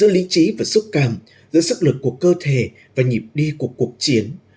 lý trí và xúc cảm giữa sức lực của cơ thể và nhịp đi của cuộc chiến